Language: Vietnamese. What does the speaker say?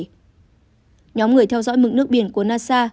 nhóm người theo dõi mức nước biển của nasa